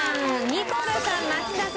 ニコルさん松田さん